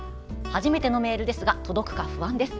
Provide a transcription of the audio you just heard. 初めてのメールですが届くか不安です。